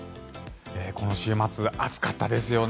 この週末、暑かったですよね。